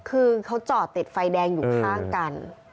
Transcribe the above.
คือเขาจอดติดไฟแดงอยู่ข้างกัน